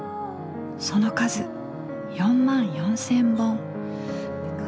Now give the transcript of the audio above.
その数４万４，０００本！